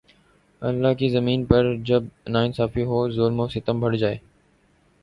اللہ کی زمین پر جب ناانصافی ہو ، ظلم و ستم بڑھ جائے